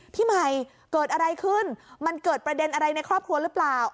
พี่ใหม่เกิดอะไรขึ้นมันเกิดประเด็นอะไรในครอบครัวหรือเปล่า